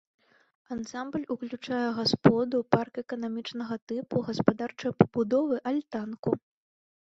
Ансамбль уключае гасподу, парк эканамічнага тыпу, гаспадарчыя пабудовы, альтанку.